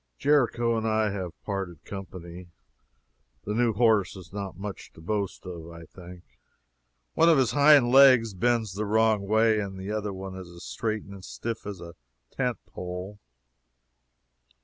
Jericho and I have parted company. The new horse is not much to boast of, I think. One of his hind legs bends the wrong way, and the other one is as straight and stiff as a tent pole.